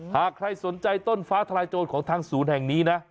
หากใครสนใจต้นฟ้าทลายโจรของทางศูนย์แห่งนี้นะ